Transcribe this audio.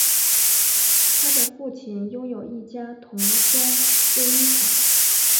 他的父亲拥有一家童装制衣厂。